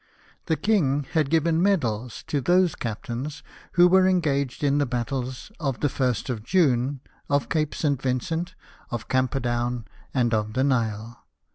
The King had given medals to those captains who were engaged in the battles of the 1st of June, of Cape St. Vincent, of Camper down, and of the Nile.